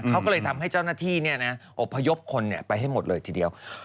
เขาก็เลยทำให้เจ้าหน้าที่อบพยพคนไปให้หมดเลยทีเดียว